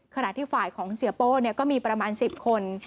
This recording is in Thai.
ขณะที่ฝ่ายของเสียโป้ก็มีประมาณ๑๐คน